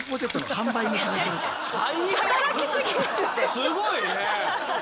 すごいね。